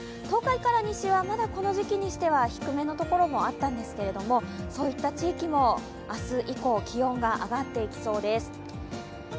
東海から西はまだこの時期にしては低めのところもあったんですけれども、そういった地域も明日以降、気温が上がっていきそうです。